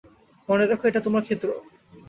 মনে রেখো, এটা তোমার ক্ষেত্র।